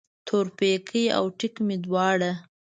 تورپیکی او ټیک مې دواړه